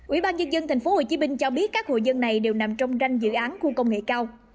ủy ban nhân dân tp hcm cho biết các hội dân này đều nằm trong ranh dự án khu công nghệ cao